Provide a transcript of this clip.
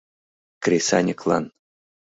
Кресаньыклан